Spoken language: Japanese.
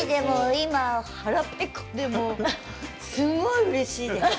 今、腹ぺこでもうすごいうれしいです。